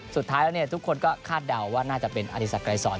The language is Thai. สุดท้ายแล้วทุกคนก็คาดเดาว่าน่าจะเป็นอธิสักไรสอน